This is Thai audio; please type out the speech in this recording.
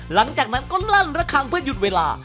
หลังจากนั้นก็ลั่นระคังเพื่อหยุดเวลา